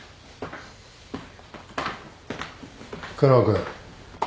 久能君。